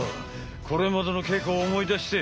これまでの稽古を思い出して！